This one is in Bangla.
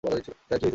স্যার, কী হইছে?